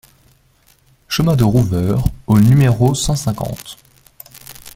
Chemin de Rouveure au numéro cent cinquante